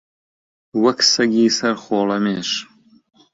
وەک سەگی سەر خۆڵەمێش